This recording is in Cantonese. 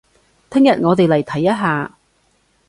聽日我哋嚟睇一下